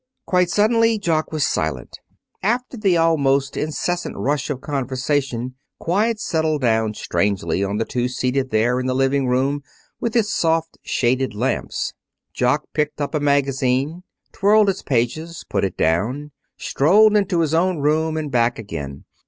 Quite suddenly Jock was silent. After the almost incessant rush of conversation quiet settled down strangely on the two seated there in the living room with its soft shaded lamps. Jock picked up a magazine, twirled its pages, put it down, strolled into his own room, and back again.